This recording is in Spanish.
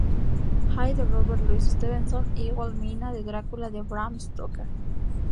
Hyde de Robert Louis Stevenson y Wilhelmina del Drácula de Bram Stocker.